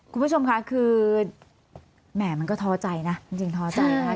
คุณผู้ชมค่ะคือแหม่มันก็ท้อใจนะจริงท้อใจนะคะ